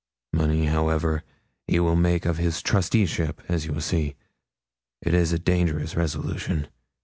Money, however, he will make of his trusteeship, as you will see. It is a dangerous resolution.